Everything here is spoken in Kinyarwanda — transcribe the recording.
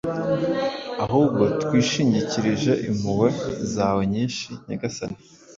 ahubwo twishingikirije impuhwe zawe nyinshi. Nyagasani,